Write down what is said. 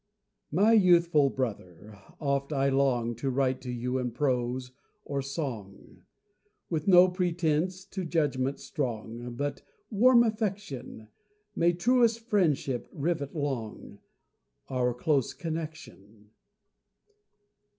My youthful brother, oft I long To write to you in prose or song; With no pretence to judgment strong, But warm affection May truest friendship rivet long Our close connection!